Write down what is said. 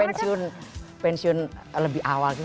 pensiun pensiun lebih awal